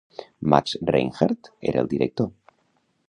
Max Reinhardt era el director.